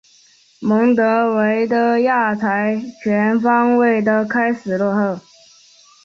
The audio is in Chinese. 蒙得维的亚才全方位的开始落后。